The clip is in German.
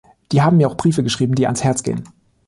Die haben mir auch Briefe geschrieben, die ans Herz gehen.